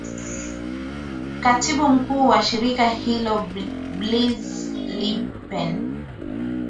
katibu mkuu wa shirika hilo bliz limpen